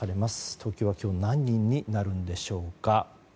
東京は今日、何人になるんでしょうか。